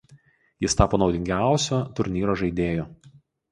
Jis tapo naudingiausio turnyro žaidėju.